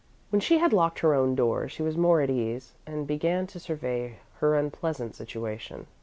When she had locked her own door, she was more at ease, and began to survey her unpleasant situation.